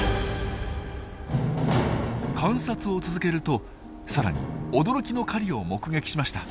観察を続けるとさらに驚きの狩りを目撃しました。